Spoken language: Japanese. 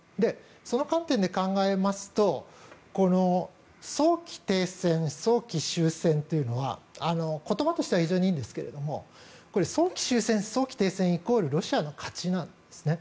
その観点で考えますと早期停戦、早期終戦というのは言葉としては非常にいいんですが早期終戦、早期停戦イコールロシアの勝ちなんですね。